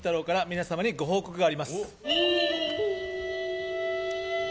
から皆様にご報告があります。